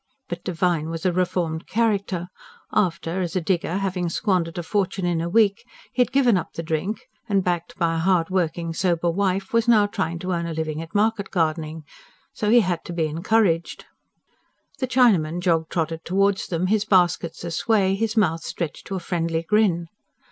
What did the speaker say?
But Devine was a reformed character: after, as a digger, having squandered a fortune in a week, he had given up the drink and, backed by a hard working, sober wife, was now trying to earn a living at market gardening. So he had to be encouraged. The Chinaman jog trotted towards them, his baskets a sway, his mouth stretched to a friendly grin.